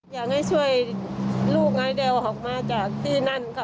อยากให้ช่วยลูกไอเดลออกมาจากที่นั่น